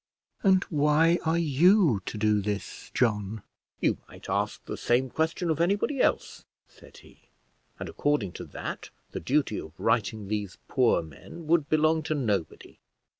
"And why are you to do this, John?" "You might ask the same question of anybody else," said he; "and according to that the duty of righting these poor men would belong to nobody.